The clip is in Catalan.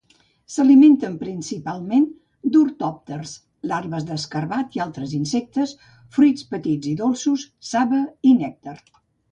S'alimenten principalment d'ortòpters, larves d'escarabat i altres insectes, fruits petits i dolços, saba i nèctar.